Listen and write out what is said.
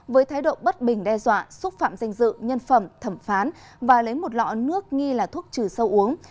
với thái độ bất bình đe dọa xúc phạm danh dự nhân phẩm thẩm phán và lấy một lọ nước nghi là thuốc trừ sâu uống